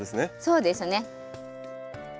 そうですね。